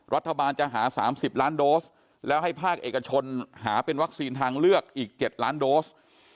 รัฐบาลจะหา๓๐ล้านโดสแล้วให้ภาคเอกชนหาเป็นวัคซีนทางเลือกอีก๗ล้านโดส